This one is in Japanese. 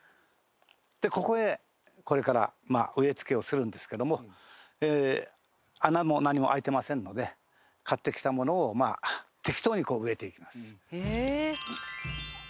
でここへこれから植え付けをするんですけども穴も何も開いてませんので買ってきたものをまあ適当に植えていきます。